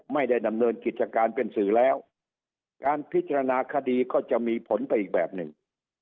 ไม่ได้ดำเนินกิจการเป็นสื่อแล้วการพิจารณาคดีก็จะมีผลไปอีกแบบหนึ่ง